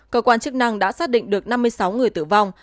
cơ quan chức năng đã xác định được năm mươi sáu người tử vong